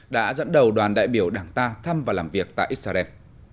đã dẫn đầu đoàn đại biểu đảng ta thăm và làm việc tại israel